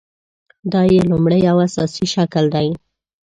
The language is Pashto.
دا یې لومړۍ او اساسي شکل دی.